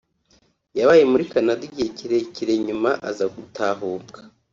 yabaye muri Canada igihe kirekire nyuma aza gutahuka